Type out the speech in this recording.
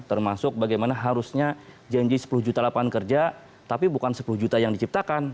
termasuk bagaimana harusnya janji sepuluh juta lapangan kerja tapi bukan sepuluh juta yang diciptakan